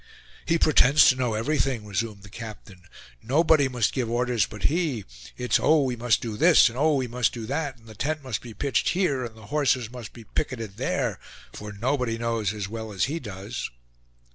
"He pretends to know everything," resumed the captain; "nobody must give orders but he! It's, oh! we must do this; and, oh! we must do that; and the tent must be pitched here, and the horses must be picketed there; for nobody knows as well as he does."